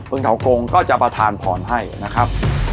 เถากงก็จะประทานพรให้นะครับ